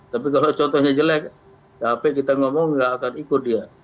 tapi kalau contohnya jelek capek kita ngomong nggak akan ikut dia